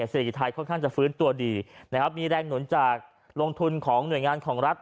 เศรษฐกิจไทยค่อนข้างจะฟื้นตัวดีนะครับมีแรงหนุนจากลงทุนของหน่วยงานของรัฐ